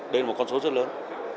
đây là một con số rất lớn